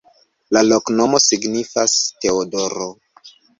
La loknomo signifas: Teodoro.